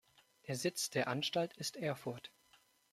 Der Sitz der Anstalt ist Erfurt.